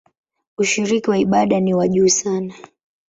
Ushiriki wa ibada ni wa juu sana.